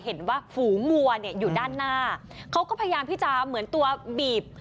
เห็นว่าฝูงัวเนี่ยอยู่ด้านหน้าเขาก็พยายามที่จะเหมือนตัวบีบ